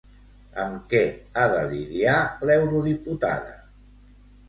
Amb què ha de lidiar l'eurodiputada?